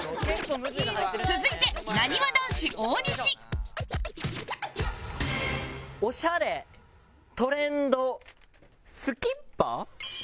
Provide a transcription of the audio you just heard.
続いてなにわ男子大西「オシャレ」「トレンド」「スキッパー」？